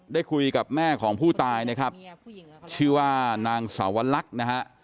ได้คุยกับแม่ของผู้ตายนะครับชื่อว่านางสาวลักษณ์นะฮะ